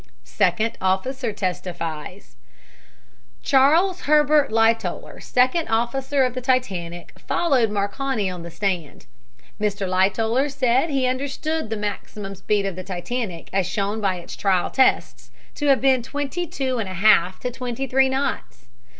SECOND OFFICER TESTIFIES Charles Herbert Lightoller, second officer of the Titanic, followed Marconi on the stand. Mr. Lightoller said he understood the maximum speed of the Titanic, as shown by its trial tests, to have been twenty two and a half to twenty three knots.